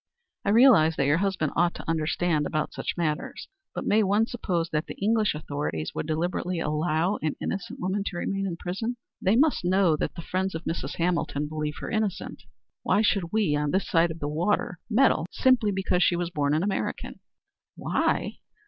"I realize that your husband ought to understand about such matters, but may one suppose that the English authorities would deliberately allow an innocent woman to remain in prison? They must know that the friends of Mrs. Hamilton believe her innocent. Why should we on this side of the water meddle simply because she was born an American?" "Why?"